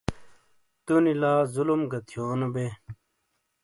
تونی لا ظلم گہ تھیونو بئے۔